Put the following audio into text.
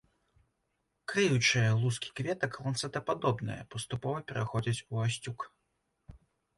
Крыючыя лускі кветак ланцэтападобныя, паступова пераходзяць у асцюк.